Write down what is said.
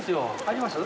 入ります？